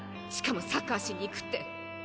しかもサッカーしに行くって。